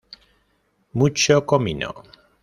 Mucho comino.